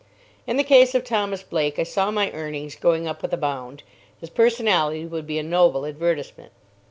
In the case of Thomas Blake I saw my earnings going up with a bound. His personality would be a noble advertisement.